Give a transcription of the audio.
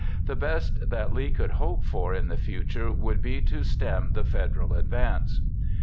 The best that Lee could hope for in the future would be to stem the Federal advance.